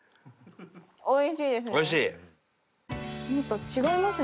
美味しいですね。